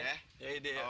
yaudah yaudah yaudah